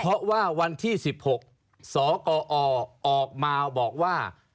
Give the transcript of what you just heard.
เพราะว่าวันที่๑๖สกอออกมาบอกว่า